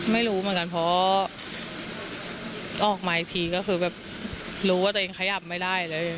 ไม่รู้เหมือนกันเพราะออกมาอีกทีก็คือแบบรู้ว่าตัวเองขยับไม่ได้เลย